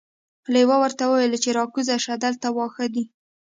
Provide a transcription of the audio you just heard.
لیوه ورته وویل چې راکوزه شه دلته واښه دي.